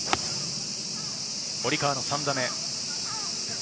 堀川の３打目。